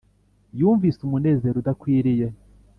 yumvise umunezero udakwiriye,